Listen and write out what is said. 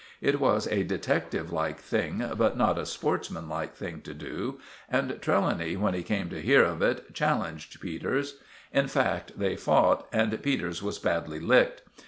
It was a detective like thing but not a sportsmanlike thing to do, and Trelawny, when he came to hear of it, challenged Peters. In fact, they fought, and Peters was badly licked.